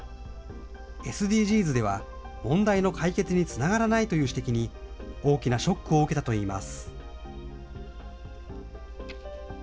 ＳＤＧｓでは問題の解決につながらないという指摘に、大きなショックを受けたといいます。